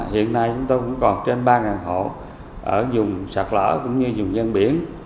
hiện nay chúng tôi cũng còn trên ba hộ ở dùng sạc lỡ cũng như dùng gian biển